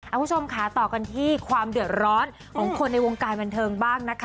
คุณผู้ชมค่ะต่อกันที่ความเดือดร้อนของคนในวงการบันเทิงบ้างนะคะ